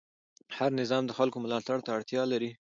هر نظام د خلکو ملاتړ ته اړتیا لري